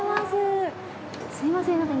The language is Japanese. すみません